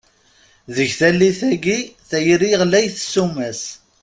Deg tallit-agi, tayri ɣlayet ssuma-s!